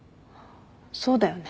そうだよね。